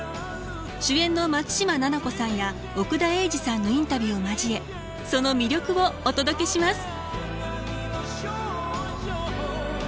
主演の松嶋菜々子さんや奥田瑛二さんのインタビューを交えその魅力をお届けします！